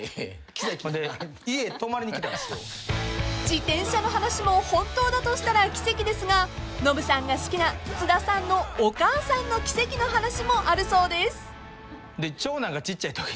［自転車の話も本当だとしたら奇跡ですがノブさんが好きな津田さんのお母さんの奇跡の話もあるそうです］